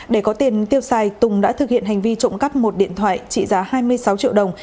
để có tiền tiêu xài tùng đã thực hiện hành vi trộm cắp một điện thoại trị giá hai mươi sáu triệu đồng